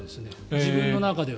自分の中では。